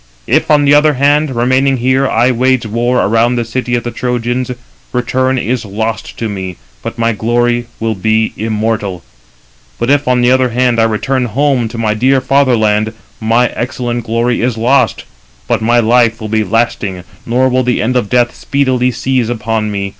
If, on the one hand, remaining here, I wage war around the city of the Trojans, return is lost to me, but my glory will be immortal; but if, on the other hand, I return home to my dear fatherland, my excellent glory is lost, but my life will be lasting, nor will the end of death speedily seize upon me.